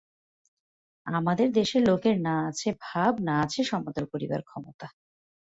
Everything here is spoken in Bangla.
আমাদের দেশের লোকের না আছে ভাব, না আছে সমাদর করিবার ক্ষমতা।